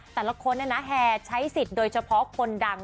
แต่ละคนแห่ใช้สิทธิ์โดยเฉพาะคนดัง